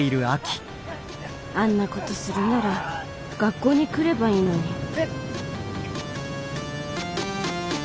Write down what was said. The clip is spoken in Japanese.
あんなことするなら学校に来ればいいのに。